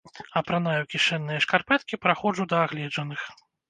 Апранаю кішэнныя шкарпэткі праходжу да агледжаных.